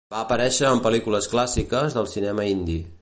Va aparèixer en pel·lícules clàssiques del cinema hindi.